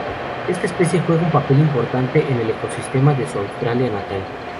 Esta especie juega un papel importante en el ecosistema de su Australia natal.